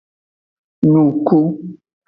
Nuku.